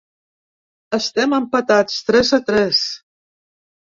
Estem empatats, tres a tres.